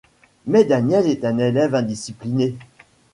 Mais Daniel est un élève indiscipliné.